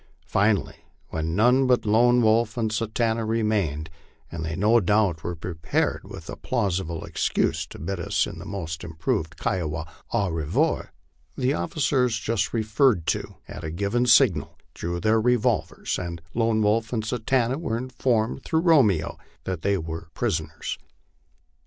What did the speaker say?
Finally, when none but Lone Wolf and Satanta remained, and they no doubt were prepared with a plausible excuse to bid us in the most improved Kiowa au revoir, the officers just referred to, at a given signal, drew their revolvers, and Lone Wolf and Satanta were informed through Romeo that they were prisoners.